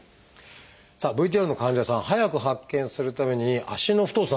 さあＶＴＲの患者さん早く発見するために足の太さ